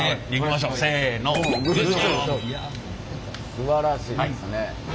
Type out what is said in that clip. すばらしいですね。